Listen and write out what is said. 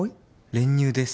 練乳です。